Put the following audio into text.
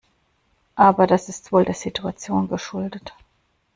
Aber das ist wohl der Situation geschuldet.